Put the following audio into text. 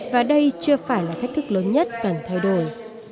và đây chưa phải là thách thức lớn nhất cần thay đổi